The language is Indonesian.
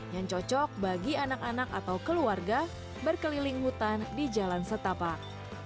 yang cocok bagi anak anak atau keluarga berkeliling hutan di jalan setapak